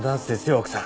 奥さん。